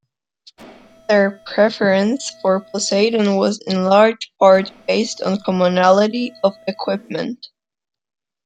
Their preference for Poseidon was in large part based on commonality of equipment.